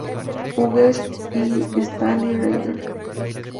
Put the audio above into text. Hughes y Stanley Reiter.